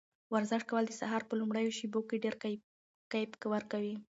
ورزش کول د سهار په لومړیو شېبو کې ډېر کیف ورکوي.